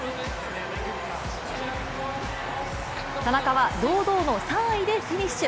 田中は堂々の３位でフィニッシュ。